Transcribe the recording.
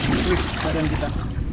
untuk twist badan kita